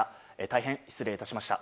大変失礼致しました。